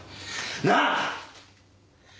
なあ！